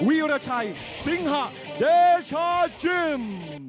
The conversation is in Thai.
วิวดาชัยสิงหาเดชาจิน